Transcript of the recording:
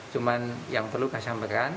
cuman yang perlu saya sampaikan